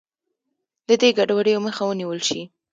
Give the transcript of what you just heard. د دې ګډوډیو مخه ونیول شي.